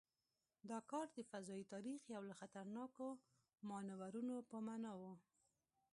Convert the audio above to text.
دا کار د فضايي تاریخ یو له خطرناکو مانورونو په معنا و.